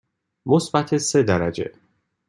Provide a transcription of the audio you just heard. مثبت سه درجه.